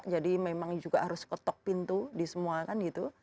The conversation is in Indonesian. jadi memang juga harus kotak pintu di semua kan gitu